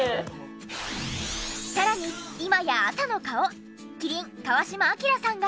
さらに今や朝の顔麒麟川島明さんが。